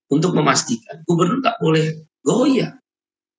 untuk memastikan gubernur tak boleh goyang